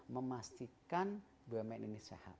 pastikan bumn ini sehat